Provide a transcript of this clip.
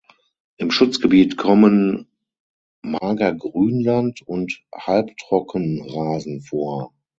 Im Schutzgebiet kommen Magergrünland und Halbtrockenrasen vor.